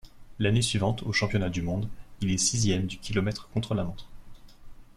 L'année suivante aux championnats du monde, il est sixième du kilomètre contre-la-montre.